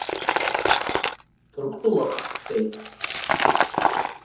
Ҭырқәтәылаҟа сцеит.